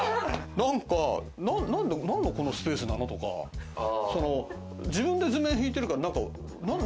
何のこのスペースなの？とか、自分で図面引いてるから、何？